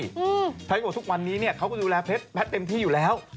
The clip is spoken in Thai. ไม่แพทย์ก็บอกว่าทุกวันนี้เฮ้าก็ดูแลแพทย์เค้าเดือมทีอยู่แล้ว